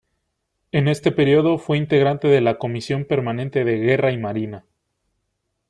En este período fue integrante de la Comisión permanente de Guerra y Marina.